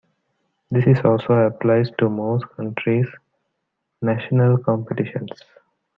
This also applies to most countries' national competitions.